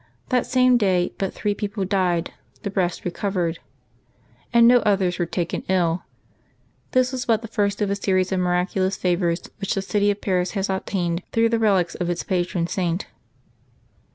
That same day but three persons died, the rest recovered, and no others were taken ill. This was but the first of a series of miraculous favors which the city of Paris has obtained through the relics of its patron Saint.